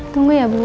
tunggu ya bu